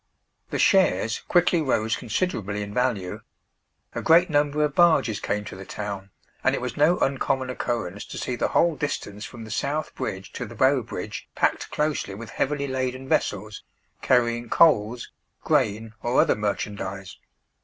The shares quickly rose considerably in value; a great number of barges came to the town, and it was no uncommon occurrence to see the whole distance from the South bridge to the Bow bridge packed closely with heavily laden vessels, carrying coals, grain, or other merchandise.